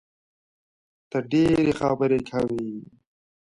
ته ډېري خبري کوې!